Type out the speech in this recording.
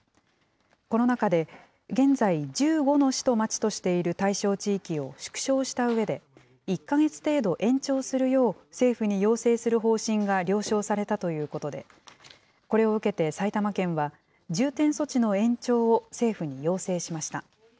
この中で、現在１５の市と町としている対象地域を縮小したうえで、１か月程度延長するよう政府に要請する方針が了承されたということで、これを受けて埼玉県は、重点措置の延長を政府に要請しました。